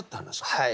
はい。